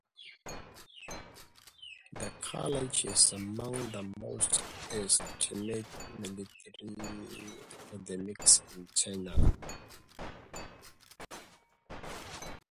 The college is among the most esteemed military academies in China.